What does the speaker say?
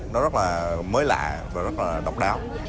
nó rất là mới lạ và rất là độc đáo